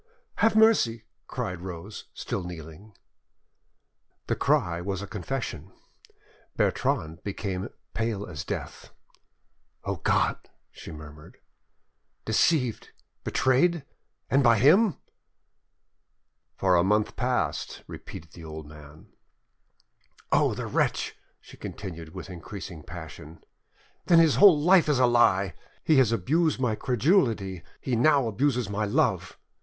"Have mercy!" cried Rose, still kneeling. The cry was a confession. Bertrande became pate as death. "O God!" she murmured, "deceived, betrayed—and by him!" "For a month past," repeated the old man. "Oh! the wretch," she continued, with increasing passion; "then his whole life is a lie! He has abused my credulity, he now abuses my love!